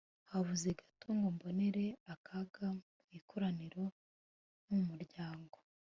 habuze gato ngo mbonere akaga mu ikoraniro no mu muryango